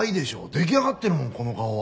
出来上がってるもんこの顔は。